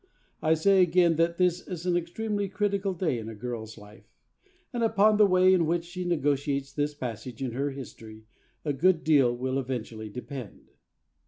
I say again that this is an extremely critical day in a girl's life, and upon the way in which she negotiates this passage in her history a good deal will eventually depend.